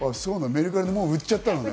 メルカリでもう売っちゃったのね。